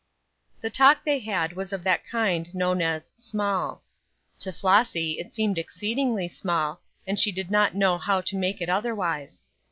The talk they had was of that kind known as "small." To Flossy it seemed exceedingly small, and she did not know how to make it otherwise.